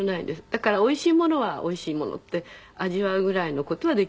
だからおいしいものはおいしいものって味わうぐらいの事はできるんですよ